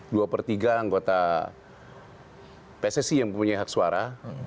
dua per tiga anggota pssi yang punya hak suara